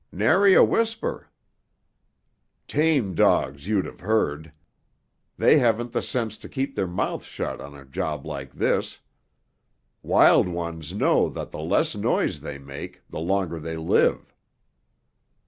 "Nary a whisper." "Tame dogs you'd have heard. They haven't the sense to keep their mouths shut on a job like this. Wild ones know that the less noise they make, the longer they live."